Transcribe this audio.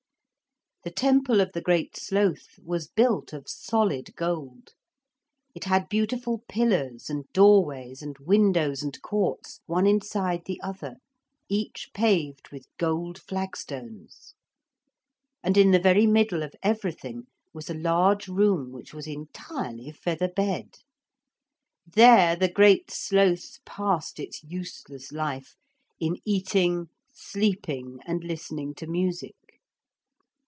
The temple of the Great Sloth was built of solid gold. It had beautiful pillars and doorways and windows and courts, one inside the other, each paved with gold flagstones. And in the very middle of everything was a large room which was entirely feather bed. There the Great Sloth passed its useless life in eating, sleeping and listening to music.